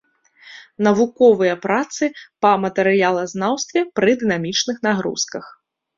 Навуковыя працы па матэрыялазнаўстве пры дынамічных нагрузках.